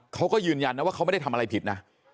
เขาก็ยืนยันนะว่าเขาไม่ได้ทำอะไรผิดนะ